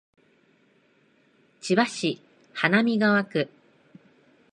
千葉市花見川区